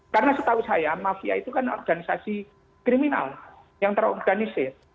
karena setahu saya mafia itu kan organisasi kriminal yang terorganisir